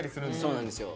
そうなんですよ。